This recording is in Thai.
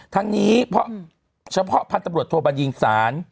ทั้งนี้เฉพาะพันธ์ตำรวจโทษบรรยีงศาล